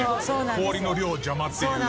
氷の量邪魔っていう。